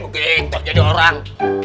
yee begitu jadi orang